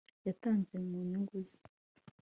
yatanze mu nyungu ze